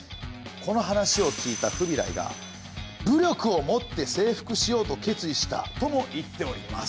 この話を聞いたフビライが「武力をもって征服しようと決意した」とも言っております。